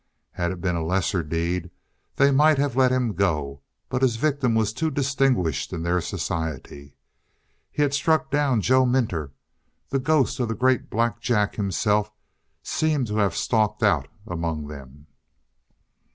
Had it been a lesser deed, they might have let him go. But his victim was too distinguished in their society. He had struck down Joe Minter; the ghost of the great Black Jack himself seemed to have stalked out among them.